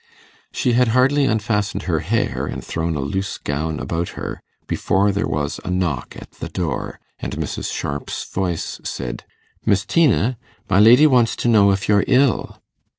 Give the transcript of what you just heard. She had hardly unfastened her hair, and thrown a loose gown about her, before there was a knock at the door, and Mrs. Sharp's voice said 'Miss Tina, my lady wants to know if you're ill.